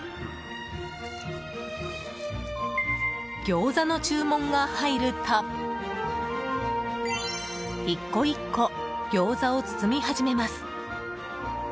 ギョーザの注文が入ると１個１個ギョーザを包み始めます。